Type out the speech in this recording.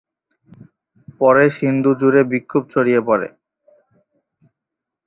পরে সিন্ধু জুড়ে বিক্ষোভ ছড়িয়ে পড়ে।